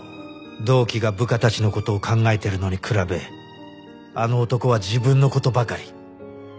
同期が部下たちの事を考えてるのに比べあの男は自分の事ばかり。